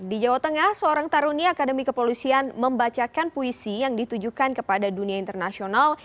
di jawa tengah seorang tarunia akademi kepolisian membacakan puisi yang ditujukan kepada dunia internasional